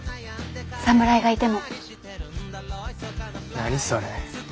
何それ。